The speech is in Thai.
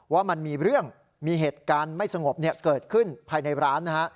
ว่ามันมีเรื่องมีเหตุการณ์ไม่สงบเกิดขึ้นภายในร้านนะฮะ